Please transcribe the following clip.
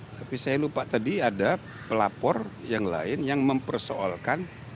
tapi saya lupa tadi ada pelapor yang lain yang mempersoalkan